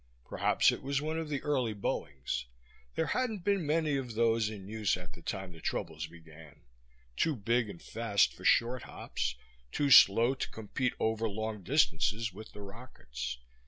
Perhaps it was one of the early Boeings. There hadn't been many of those in use at the time the troubles began, too big and fast for short hops, too slow to compete over long distances with the rockets.